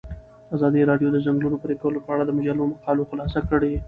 ازادي راډیو د د ځنګلونو پرېکول په اړه د مجلو مقالو خلاصه کړې.